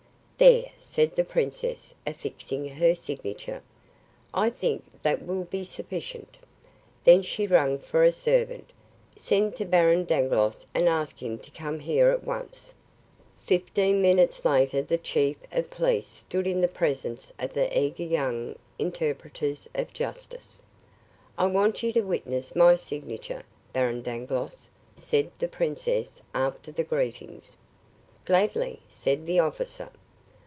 "There," said the princess, affixing her signature "I think that will be sufficient." Then she rang for a servant. "Send to Baron Dangloss and ask him to come here at once." Fifteen minutes later the chief of police stood in the presence of the eager young interpreters of justice. "I want you to witness my signature, Baron Dangloss," said the princess after the greetings. "Gladly," said the officer.